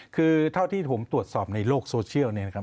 คือเท่าที่ผมตรวจสอบในโลกโซเชียลเนี่ยนะครับ